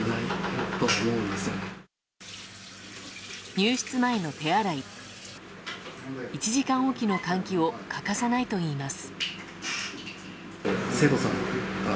入室前の手洗い１時間おきの換気を欠かさないといいます。